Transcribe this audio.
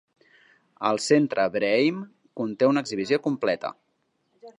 El Centre Breheim conté una exhibició completa.